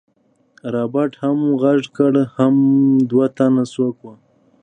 رابرټ هم غږ کړ حم دوه تنه څوک وو.